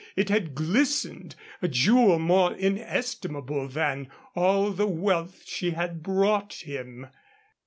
It had glistened a jewel more inestimable than all the wealth she had brought him.